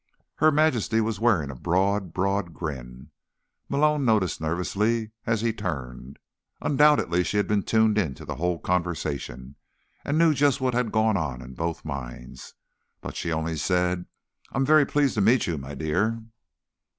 Her Majesty was wearing a broad, broad grin, Malone noticed nervously as he turned. Undoubtedly she had been tuned in to the whole conversation, and knew just what had gone on in both minds. But she only said, "I'm very pleased to meet you, my dear."